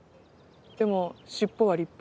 でも尻尾は立派。